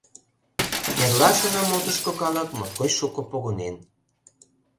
Эрлашыжым отышко калык моткоч шуко погынен.